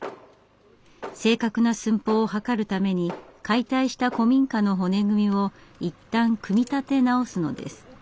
正確な寸法を測るために解体した古民家の骨組みをいったん組み立て直すのです。